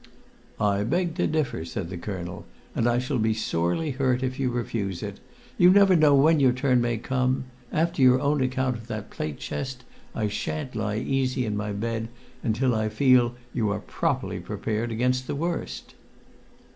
"I beg to differ," said the colonel, "and I shall be sorely hurt if you refuse it. You never know when your turn may come; after your own account of that plate chest, I shan't lie easy in my bed until I feel you are properly prepared against the worst."